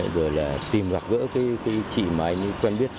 rồi tìm gặp gỡ chị mà anh ấy quen biết